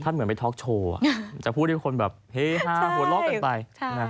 เหมือนไปท็อกโชว์จะพูดให้คนแบบเฮฮาหัวเราะกันไป